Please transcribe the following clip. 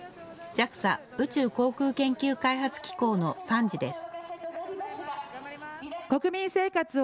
ＪＡＸＡ・宇宙航空研究開発機構の参事です。